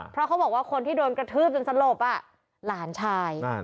เพราะเขาบอกว่าคนที่โดนกระทืบจนสลบหลานชาย